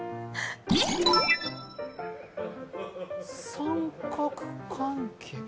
三角関係？